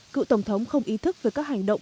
cựu tổng thống không ý thức về các hành động